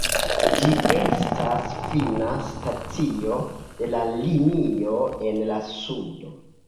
Ĝi estas fina stacio de la linio en la sudo.